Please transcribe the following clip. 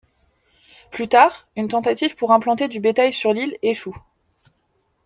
Plus tard, une tentative pour implanter du bétail sur l'île échoue.